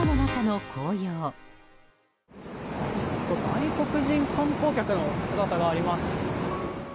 外国人観光客の姿があります。